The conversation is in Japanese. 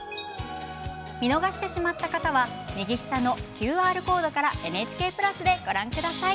見逃した方は右下のＱＲコードからＮＨＫプラスでご覧ください。